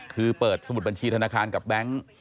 คือเปิดสมุดบัญชีธนาคารกับแบงค์